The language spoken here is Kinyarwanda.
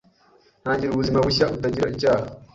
ntangira ubuzima bushya butagir icyaha